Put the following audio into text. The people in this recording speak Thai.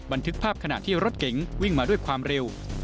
บันทึกภาพขณะที่รถเก๋งวิ่งมาด้วยความเร็ว